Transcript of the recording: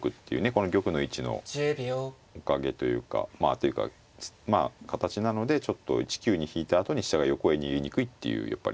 この玉の位置のおかげというかというかまあ形なのでちょっと１九に引いたあとに飛車が横へ逃げにくいっていうやっぱり。